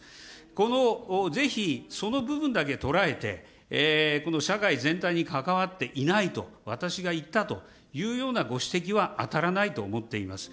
このぜひ、その部分だけ捉えて、社会全体に関わっていないと、私が言ったというようなご指摘は当たらないと思っています。